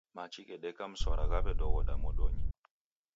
Machi ghedeka mswara ghaw'edoghoda modonyi.